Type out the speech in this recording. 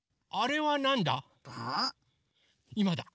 いまだ！